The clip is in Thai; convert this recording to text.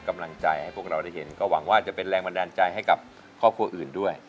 กำลังใจให้พวกเราได้เห็นก็หวังว่าจะเป็นแรงบันดาลใจให้กับครอบครัวอื่นด้วย